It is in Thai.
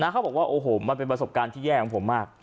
เขาบอกว่าโอ้โหมันเป็นประสบการณ์ที่แย่ของผมมาก